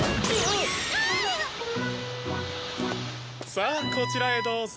さあこちらへどうぞ。